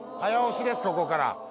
ここから。